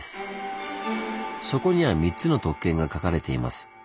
そこには３つの特権が書かれています。